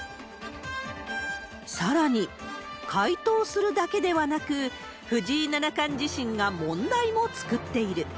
さらに、解答するだけではなく、藤井七冠自身が問題も作っている。